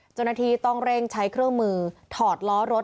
เจ้าหน้าที่ต้องเร่งใช้เครื่องมือถอดล้อรถ